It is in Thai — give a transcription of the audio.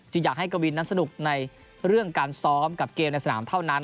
อยากให้กวินนั้นสนุกในเรื่องการซ้อมกับเกมในสนามเท่านั้น